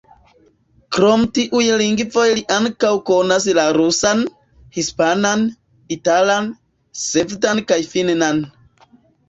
Krom tiuj lingvoj li ankaŭ konas la rusan, hispanan, italan, svedan kaj finnan.